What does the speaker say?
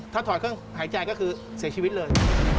ถ้าถอดเครื่องหายใจก็คือเสียชีวิตเลย